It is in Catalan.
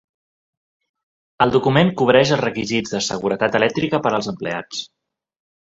El document cobreix els requisits de seguretat elèctrica per als empleats.